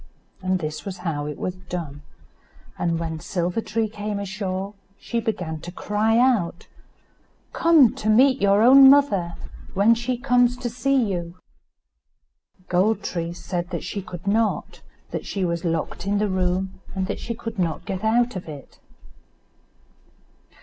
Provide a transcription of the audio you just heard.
This is how it was done; and when Silver tree came ashore, she began to cry out: "Come to meet your own mother, when she comes to see you," Gold tree said that she could not, that she was locked in the room, and that she could not get out of it.